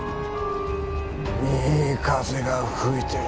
いい風が吹いてる。